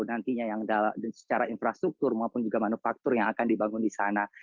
nantinya yang secara infrastruktur maupun juga manufaktur yang akan dibangun di sana